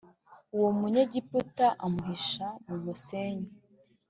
uwo Munyegiputa amuhisha mu musenyi